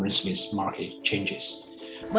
kondisi ini akan berubah